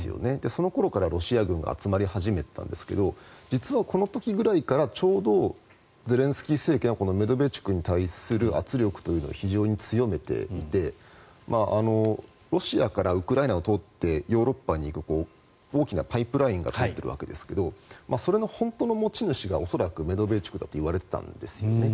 その頃からロシア軍が集まり始めてたんですが実は、この時ぐらいからちょうどゼレンスキー政権はこのメドベチュクに対する圧力を非常に強めていてロシアからウクライナを取ってヨーロッパに行く大きなパイプラインが通っているわけですがそれの本当の持ち主が恐らくメドベチュクだといわれていたんですよね。